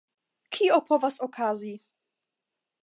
Kio povas okazi?